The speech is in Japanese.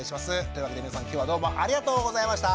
というわけで皆さん今日はどうもありがとうございました。